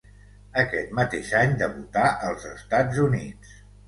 Aquest mateix any, debutà als Estats Units.